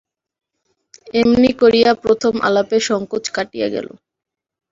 এমনি করিয়া প্রথম আলাপের সংকোচ কাটিয়া গেল।